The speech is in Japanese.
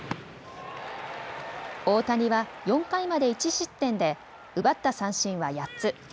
大谷は４回まで１失点で奪った三振は８つ。